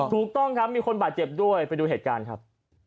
ถูกต้องครับมีคนบาดเจ็บด้วยไปดูเหตุการณ์ครับ